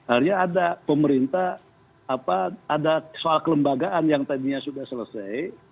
artinya ada pemerintah ada soal kelembagaan yang tadinya sudah selesai